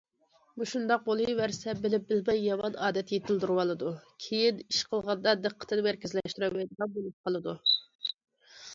مۇشۇنداق بولۇۋەرسە بىلىپ بىلمەي يامان ئادەت يېتىلدۈرۈۋالىدۇ، كېيىن ئىش قىلغاندا دىققىتىنى مەركەزلەشتۈرەلمەيدىغان بولۇپ قالىدۇ.